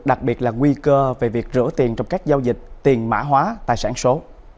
đặc biệt là nguy cơ về việc rửa tiền trong các giao dịch tiền mã hóa tài sản số